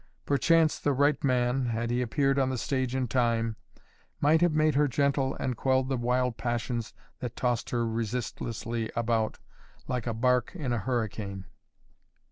Perchance the right man, had he appeared on the stage in time, might have made her gentle and quelled the wild passions that tossed her resistlessly about, like a barque in a hurricane.